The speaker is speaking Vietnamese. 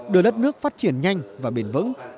đưa đất nước phát triển nhanh và bền vững